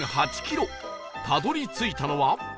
たどり着いたのは